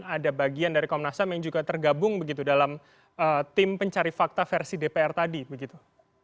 ada bagian dari komnas ham yang juga tergabung begitu dalam tim pencari fakta versi dpr tadi begitu